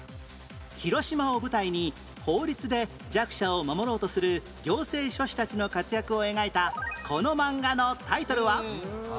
広島を舞台に法律で弱者を守ろうとする行政書士たちの活躍を描いたこの漫画のタイトルは？